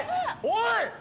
おい！